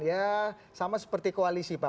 ya sama seperti koalisi pak